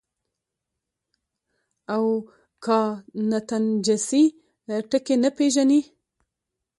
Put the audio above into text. او کانټنجنسي ټکے نۀ پېژني -